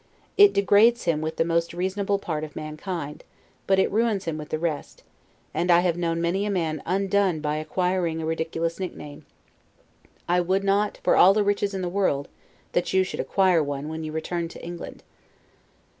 It degrades him with the most reasonable part of mankind; but it ruins him with the rest; and I have known many a man undone by acquiring a ridiculous nickname: I would not, for all the riches in the world, that you should acquire one when you return to England.